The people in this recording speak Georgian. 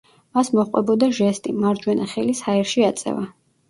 მას მოჰყვებოდა ჟესტი: მარჯვენა ხელის ჰაერში აწევა.